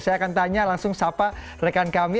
saya akan tanya langsung sapa rekan kami